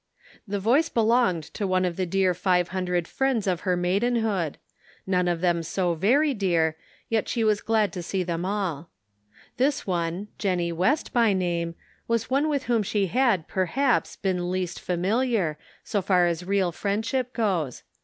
The voice belonged to one of the deal five hundred friends of her maidenhood ; none of them so very dear, yet she was glad to see them all. This one, Jennie West by name, was one with whom she had, perhaps, been least familiar, so far as real friendship goes ; 32 The Pocket Measure.